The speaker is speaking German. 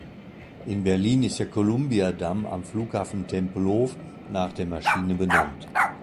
In Berlin ist der Columbiadamm am Flughafen Tempelhof nach der Maschine benannt.